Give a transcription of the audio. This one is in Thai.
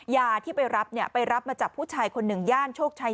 ยาที่ไปรับเนี่ยไปรับมาจับผู้ชายคน๑ย่านโชคชัย๔